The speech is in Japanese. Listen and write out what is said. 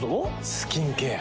スキンケア。